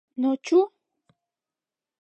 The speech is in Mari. Но чу!